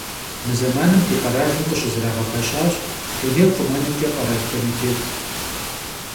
Mı zemanım di kheralım khışızerağepeşaş Dunêyr xhumenımç'e kheral komitêt.